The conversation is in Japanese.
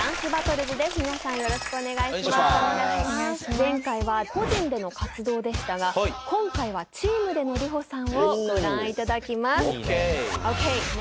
前回は個人での活動でしたが今回はチームでのＲｉｈｏさんをご覧いただきます。ＯＫ！ＯＫ！